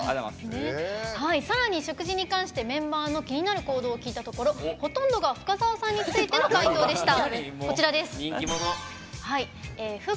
さらに食事に関してメンバーの気になる行動を聞いたところ、ほとんどが深澤さんについての回答でした。